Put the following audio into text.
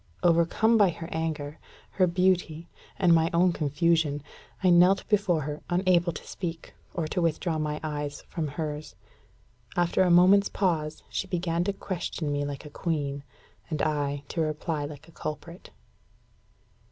Overcome by her anger, her beauty, and my own confusion, I knelt before her, unable to speak, or to withdraw my eyes from hers. After a moment's pause, she began to question me like a queen, and I to reply like a culprit.